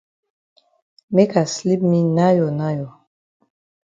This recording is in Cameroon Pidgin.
Make I sleep me nayo nayo.